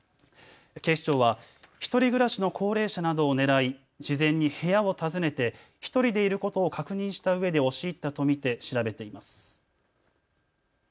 警視庁は１人暮らしの高齢者などを狙い事前に部屋を訪ねて１人でいることを確認したうえで押し入ったと見て調べています。